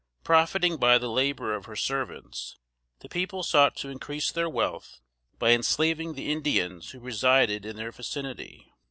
Profiting by the labor of her servants, the people sought to increase their wealth by enslaving the Indians who resided in their vicinity.